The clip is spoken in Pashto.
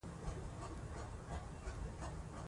پښتو د حق ویلو او رښتینولۍ ژبه ده چي په ښکاره ډول خبرې کوي.